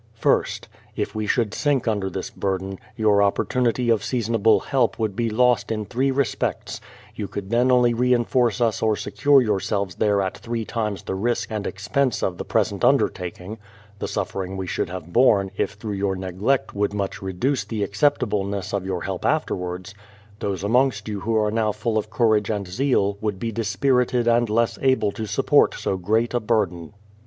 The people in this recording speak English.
First, if we should sink under this burden, j^our opportunity of seasonable help would be lost in three respects; you could then only reinforce us or secure yourselves there at three times the risk and expense of the present undertaking; the suffering we should have borne, if through your neglect, would much reduce the acceptableness of your help afterwards ; those amongst you who are now full of courage and zeal, would be dispirited and less able to support so great a burden.